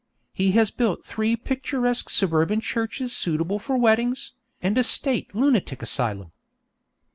He has built three picturesque suburban churches suitable for weddings, and a State lunatic asylum.